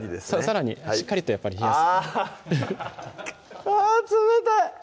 さらにしっかりとやっぱりああ冷たい！